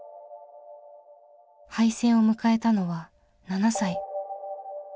敗戦を迎えたのは７歳。